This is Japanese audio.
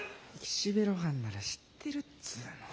岸辺露伴なら知ってるっつの。